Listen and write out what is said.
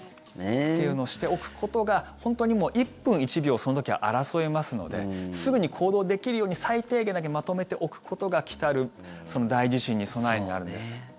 っていうのを知っておくことが本当に１分１秒、その時は争いますのですぐに行動できるように最低限だけまとめておくことが来たる大地震に備えになるんです。